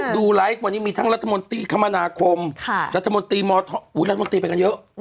ดูไลฟ์วันนี้มีทั้งรัฐมนตรีคมนาคมรัฐมนตรีไปกันเยอะ